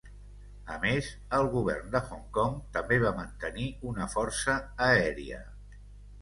A més, el Govern de Hong Kong també va mantenir una "força aèria".